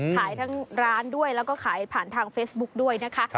ขายทั้งร้านด้วยแล้วก็ขายผ่านทางเฟซบุ๊กด้วยนะคะ